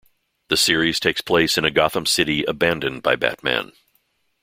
The series takes place in a Gotham City abandoned by Batman.